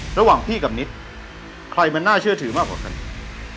ระหว่างพี่กับนิดใครมันน่าเชื่อถือมากกว่ากันอีก